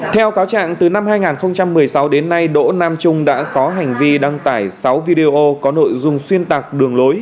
theo cáo trạng từ năm hai nghìn một mươi sáu đến nay đỗ nam trung đã có hành vi đăng tải sáu video có nội dung xuyên tạc đường lối